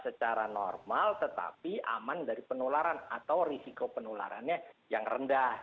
secara normal tetapi aman dari penularan atau risiko penularannya yang rendah